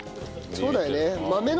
そうだね。